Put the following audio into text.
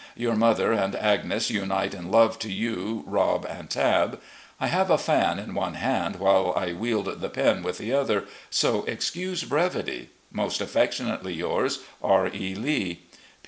Your mother and Agnes tmite in love to you, Rob, and Tabb. I have a fan in one hand, while I wield the pen with the other, so excuse brevity. Most affectionately yours, R. E. Lee.